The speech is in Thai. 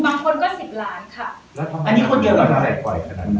บางคนก็สิบล้านค่ะอันนี้คนเกินกว่าเท่าไหร่ปล่อยขนาดไหน